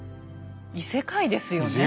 異世界ですよね。